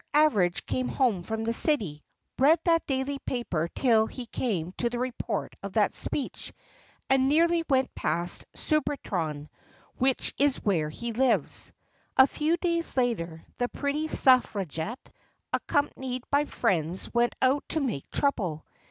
Average came home from the City, read that daily paper till he came to the report of that speech, and nearly went past Surbiton, which is where he lives. A few days later the pretty suffragette accompanied by friends went out to make trouble.